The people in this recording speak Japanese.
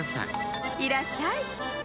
いらっしゃい。